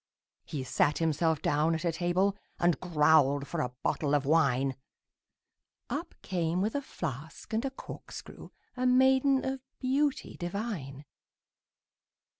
He sat himself down at a table, And growled for a bottle of wine; Up came with a flask and a corkscrew A maiden of beauty divine.